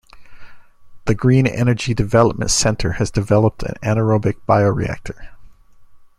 The Green Energy Development Center has developed an anaerobic bioreactor.